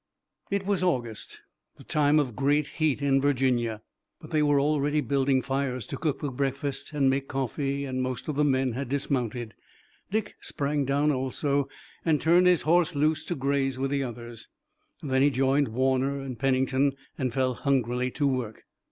It was August, the time of great heat in Virginia, but they were already building fires to cook the breakfast and make coffee, and most of the men had dismounted. Dick sprang down also and turned his horse loose to graze with the others. Then he joined Warner and Pennington and fell hungrily to work.